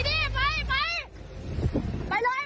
ดูสวนถ่ายชิปเลย